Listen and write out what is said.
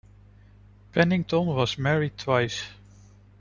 Penington was married twice.